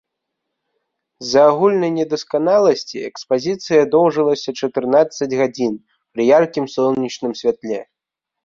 З-за агульнай недасканаласці экспазіцыя доўжылася чатырнаццаць гадзін пры яркім сонечным святле.